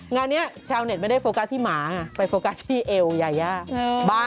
งานนี้ชาวเน็ตไม่ได้โฟกัสที่หมาไงไปโฟกัสที่เอวยายา